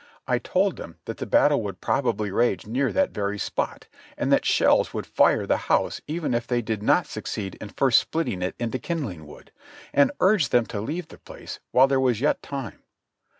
I told them that the battle would probably rage near that very spot, and that shells would fire the house even if they did not succeed in first splitting it into kindling wood, and urged them to leave the place while there was yet time.